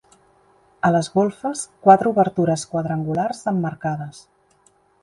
A les golfes, quatre obertures quadrangulars emmarcades.